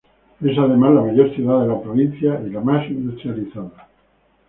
Es, además, la mayor ciudad de la provincia y la más industrializada.